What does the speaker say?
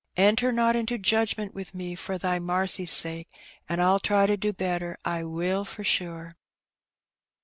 Enter not into judgment with me for Thy marcy's sake, an' Fll try to do better — I will, for sure.''